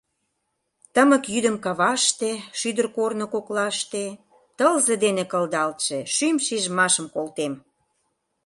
Тымык йӱдым каваште, Шӱдыр корно коклаште Тылзе дене кылдалтше Шӱм шижмашым колтем.